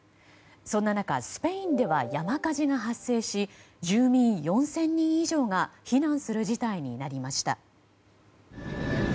そんな中スペインでは山火事が発生し住民４０００人以上が避難する事態になりました。